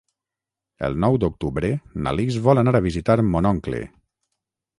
El nou d'octubre na Lis vol anar a visitar mon oncle.